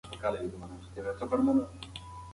ارواپوهنه د ذهني جرياناتو بحث کوي.